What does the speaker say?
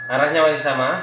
arahnya masih sama